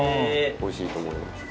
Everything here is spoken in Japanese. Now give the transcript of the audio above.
おいしいと思います。